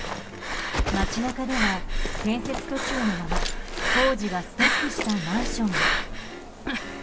街中では建設途中のまま工事がストップしたマンションが。